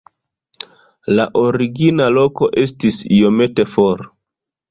La origina loko estis iomete for.